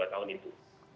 ya dua tahun itu